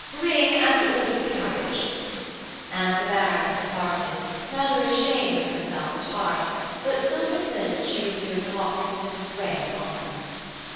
Ring, and order the carriage"; and the Baroness departed, rather ashamed of herself at heart, but still convinced she was doing the Hopkinsons great honour.